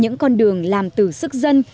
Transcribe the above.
những con đường làm từ sức dân